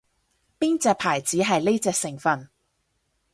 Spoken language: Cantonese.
邊隻牌子係呢隻成份